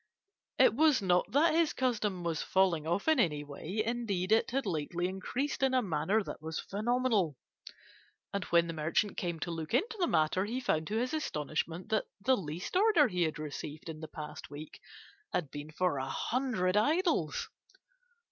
It was not that his custom was falling off in any way; indeed, it had lately increased in a manner that was phenomenal, and when the merchant came to look into the matter, he found to his astonishment that the least order he had received in the past week had been for a hundred idols.